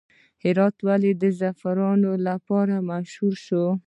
هرات ولې د زعفرانو لپاره مشهور شو؟